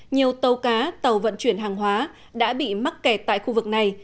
nhiều tàu cá tàu vận chuyển hàng hóa đã bị mắc kẹt tại khu vực này